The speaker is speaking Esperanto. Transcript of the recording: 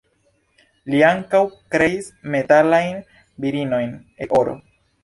Li ankaŭ kreis metalajn virinojn el oro.